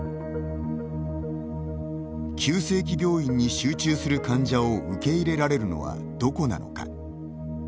急性期病院に集中する患者を受け入れられるのはどこなのか。